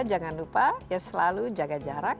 jangan lupa ya selalu jaga jarak